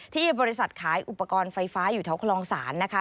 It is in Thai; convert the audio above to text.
ที่บริษัทขายอุปกรณ์ไฟฟ้าอยู่แถวคลองศาลนะคะ